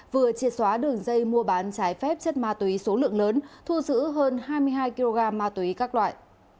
vừa chia xóa đường dây mua bán trái phép chất ma túy số lượng lớn thu giữ hơn hai mươi hai kg ma túy các loại